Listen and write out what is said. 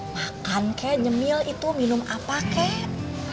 makan kek nyemil itu minum apa kek